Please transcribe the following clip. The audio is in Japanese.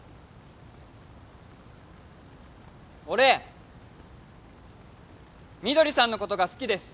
俺みどりさんのことが好きです。